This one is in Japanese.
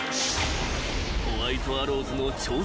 ［ホワイトアローズの超絶